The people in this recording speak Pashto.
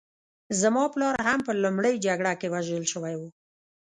زما پلار هم په لومړۍ جګړه کې وژل شوی و